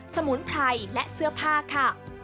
สมุนไพรและเสื้อผ้าค่ะ